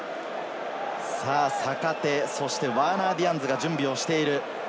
坂手、そしてワーナー・ディアンズが準備している。